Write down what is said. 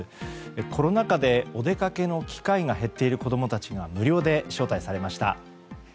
コロナ禍でお出かけの機会が減っている子供たちが無料で招待されました。